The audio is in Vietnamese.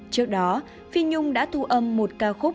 trước đó phi nhung đã thu âm một ca khúc